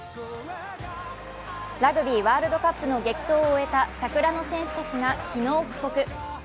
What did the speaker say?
ラグビーワールドカップの激闘を終えた桜の戦士たちが昨日、帰国。